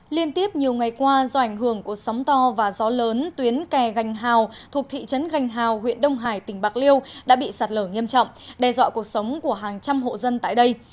liên tiếp nhiều ngày qua do ảnh hưởng của sóng to và gió lớn tuyến kè gành hào thuộc thị trấn gành hào huyện đông hải tỉnh bạc liêu đã bị sạt lở nghiêm trọng đe dọa cuộc sống của hàng trăm hộ dân tại đây